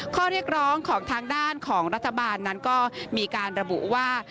ข้อเรียกร้องของทางด้านของรัฐบาลนั้นก็มีการระบุว่า